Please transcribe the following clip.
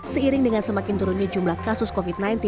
seiring dengan semakin turunnya jumlah kasus covid sembilan belas